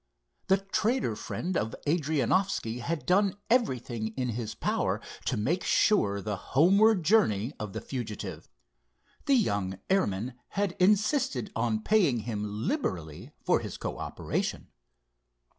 The trader friend of Adrianoffski had done everything in his power to make sure the homeward journey of the fugitive. The young airman had insisted on paying him liberally for his cooperation.